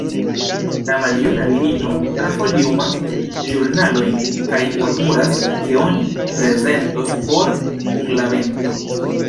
La maljuna virino trafoliumas ĵurnalojn kaj murmuras, ke oni prezentos For kun la vento.